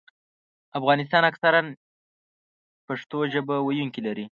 افغانستان اکثراً پښتو ژبه ویونکي لري.